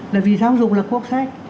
là vì giáo dục là quốc sách